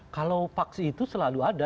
kalau paksi itu selalu ada